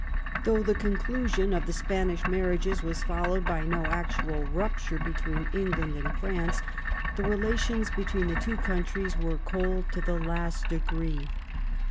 Though the conclusion of the Spanish marriages was followed by no actual rupture between England and France, the relations between the two countries were oold to the last degree.